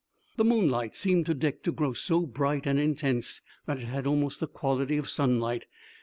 The moonlight seemed to Dick to grow so bright and intense that it had almost the quality of sunlight.